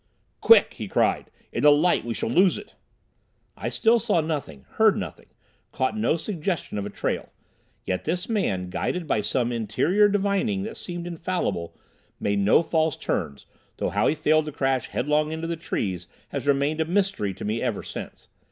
"Quick!" he cried. "In the light we shall lose it!" I still saw nothing, heard nothing, caught no suggestion of a trail; yet this man, guided by some interior divining that seemed infallible, made no false turns, though how he failed to crash headlong into the trees has remained a mystery to me ever since.